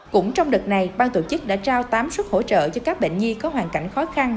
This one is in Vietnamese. cũng trong đợt này ban tổ chức đã trao tám suất hỗ trợ cho các bệnh nhi có hoàn cảnh khó khăn